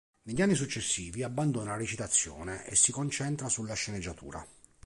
Negli anni successivi abbandona la recitazione e si concentra sulla sceneggiatura.